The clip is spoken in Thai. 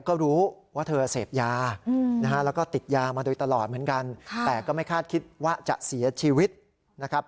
ก็รู้ว่าเธอเสพยานะฮะแล้วก็ติดยามาโดยตลอดเหมือนกันแต่ก็ไม่คาดคิดว่าจะเสียชีวิตนะครับ